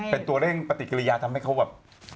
เป็นตัวเร่งปฏิกิริยาทำให้เขาแบบ